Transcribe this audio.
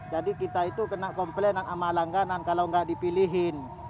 jadi kita itu kena komplainan sama langganan kalau nggak dipilihin